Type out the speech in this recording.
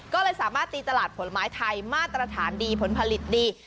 ก็เลยสามารถตีตลาดผลไม้ไทยมาตรฐานดีผลผลิตดี